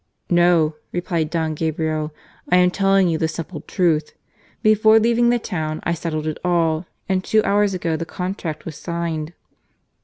" No," replied Don Gabriel, " I am telling you the simple truth. Before leaving the town I settled it all, and two hours ago the contract was signed."